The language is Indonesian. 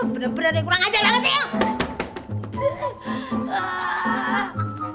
bener bener yang kurang ajar banget sih yuk